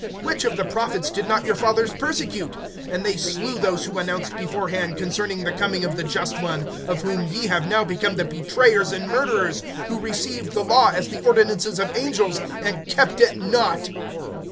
(52)Which of the prophets did not your fathers persecute? And they slew those who announced beforehand concerning the coming of the Just One; of whom ye have now become the betrayers and murderers; (53)who received the law as the ordinances of angels, and kept it not.